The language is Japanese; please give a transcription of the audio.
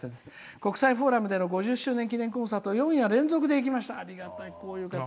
「国際フォーラムでの記念コンサート連続で行きました。